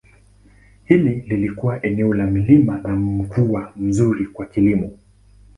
Hili lilikuwa eneo la milima na mvua nzuri kwa kilimo.